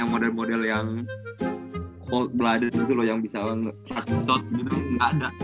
model model yang cold blooded itu loh yang bisa nge touch shot gitu gak ada